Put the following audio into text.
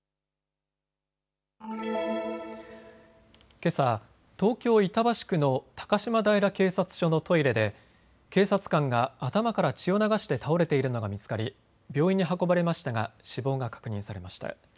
けさ、東京板橋区の高島平警察署のトイレで警察官が頭から血を流して倒れているのが見つかり病院に運ばれましたが死亡が確認されました。